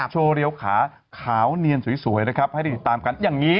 โชว์เรียวขาขาวเนียนสวยนะครับให้ได้ติดตามกันอย่างนี้